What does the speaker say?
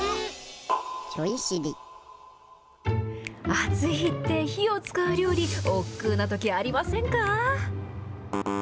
暑い日って、火を使う料理、おっくうなときありませんか？